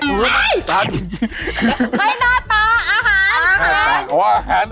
ให้หน้าตาอาหาร